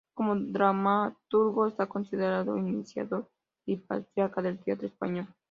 Como dramaturgo está considerado iniciador y patriarca del teatro español.